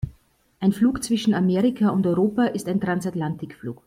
Ein Flug zwischen Amerika und Europa ist ein Transatlantikflug.